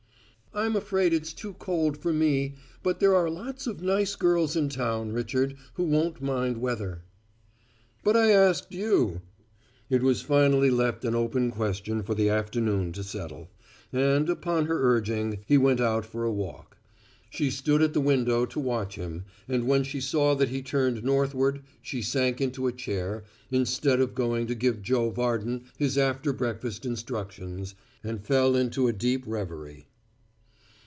"I'm afraid it's too cold for me, but there are lots of nice girls in town, Richard, who won't mind weather." "But I asked you!" It was finally left an open question for the afternoon to settle; and, upon her urging, he went out for a walk. She stood at the window to watch him, and, when she saw that he turned northward, she sank into a chair, instead of going to give Joe Varden his after breakfast instructions, and fell into a deep reverie.